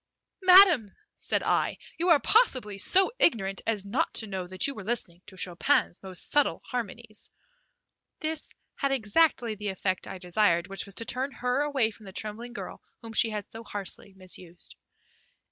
"Madam," said I, "you are possibly so ignorant as not to know that you were listening to Chopin's most subtle harmonies." This had exactly the effect I desired, which was to turn her away from the trembling girl whom she had so harshly misused.